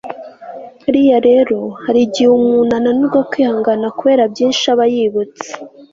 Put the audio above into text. riya rero hari igihe umuntu ananirwa kwihangana kubera byinshi aba yibutse